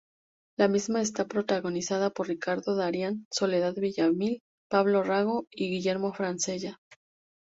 La misma está protagonizada por Ricardo Darín, Soledad Villamil, Pablo Rago y Guillermo Francella.